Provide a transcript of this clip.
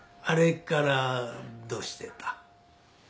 あれからどうしてた？